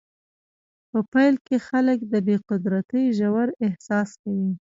په پیل کې خلک د بې قدرتۍ ژور احساس کوي.